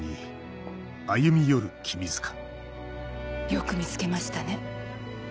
よく見つけましたね。